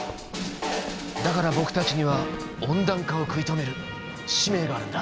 だから僕たちには温暖化を食い止める使命があるんだ。